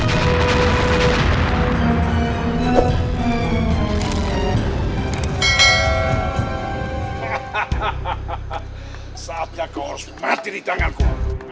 hahaha saatnya kau harus mati di tanganku